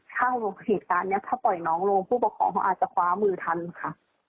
ถ้าเหตุการณ์นี้ถ้าปล่อยน้องลงผู้ปกครองเขาอาจจะคว้ามือทันค่ะ